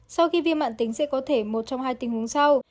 sau khi viêm mạng tính sẽ có thể một trong hai tình huống sau